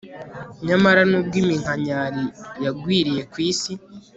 nyamara nubwo iminkanyari yagwiriye kwisi